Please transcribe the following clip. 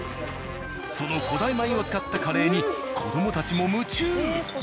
その古代米を使ったカレーに子どもたちも夢中。